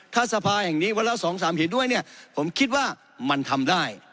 ถ้าสภาแห่งนี้วันละ๒๓เห็นด้วยเนี่ยผมคิดว่ามันทำได้